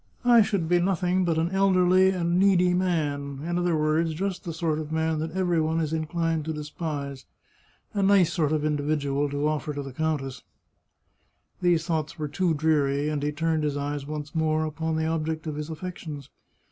I should be nothing but an 103 The Chartreuse of Parma elderly and needy man; in other words, just the sort of man that every one is inclined to despise, A nice sort of individual to oflfer to the countess !" These thoughts were too dreary, and he turned his eyes once more upon the object of his affections.